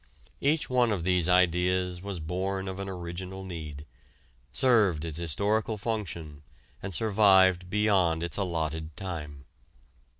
Each one of these ideas was born of an original need, served its historical function and survived beyond its allotted time.